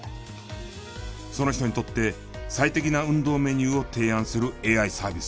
その人にとって最適な運動メニューを提案するＡＩサービス。